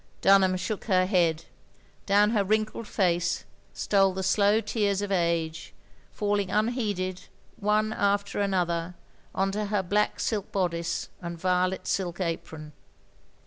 " Dunham shook her head. Down her wrinkled face stole the slow tears of age, falling unheeded, one after another, on to her black silk bodice and violet silk apron.